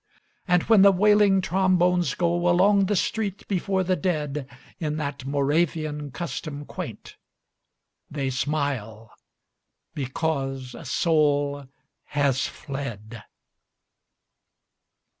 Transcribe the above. And when the wailing trombones go Along the street before the dead In that Moravian custom quaint, They smile because a soul has fled.